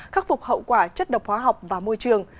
khắc phục hậu quả chất độc hóa học và môi trường